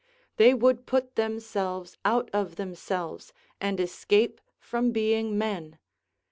They would put themselves out of themselves, and escape from being men.